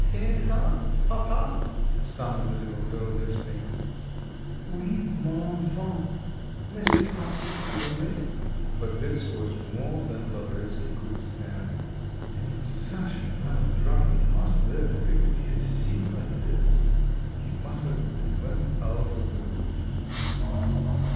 "C'est ça, papa?" stammered the little girl lisping. "Oui, mon enfant, n'est ce pas que tu l'aimes?" But this was more than Lavretsky could stand. "In such a melodrama must there really be a scene like this?" he muttered, and went out of the room.